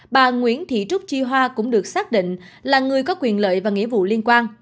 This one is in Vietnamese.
bà nguyễn thị trúc chi hoa cũng được xác định là người có quyền lợi và nghĩa vụ liên quan